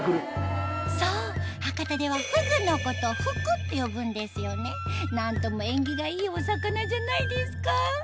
そう博多ではふぐのことをふくって呼ぶんですよね何とも縁起がいいお魚じゃないですか？